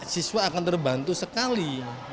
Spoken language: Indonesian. siswa akan terbantu sekali